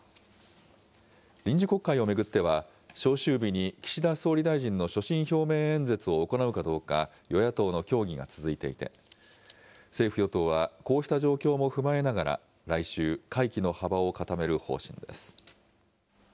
臨時国会を巡っては、召集日に岸田総理大臣の所信表明演説を行うかどうか、与野党の協議が続いていて、政府・与党はこうした状況も踏まえながら、来週、会期の幅を固める方針です。